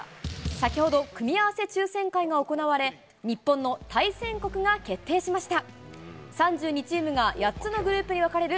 先ほど、組み合わせ抽せん会が行われ、日本の対戦国が決定しました。